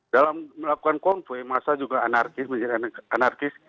dalam melakukan konvoy massa juga anarkis menjadi anarkis